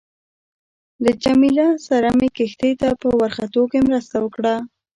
له جميله سره مې کښتۍ ته په ورختو کې مرسته وکړه.